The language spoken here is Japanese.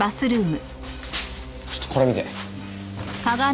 ちょっとこれ見て。